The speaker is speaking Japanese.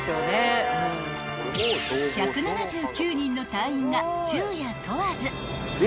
［１７９人の隊員が昼夜問わず］